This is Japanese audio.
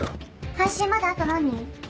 配信まであと何人？